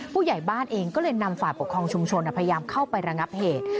ผู้ใหญ่บ้านเองก็เลยนำฝ่ายปกครองชุมชนพยายามเข้าไประงับเหตุ